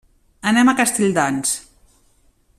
Anem a Castelldans.